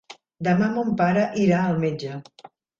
Demà mon pare irà al metge.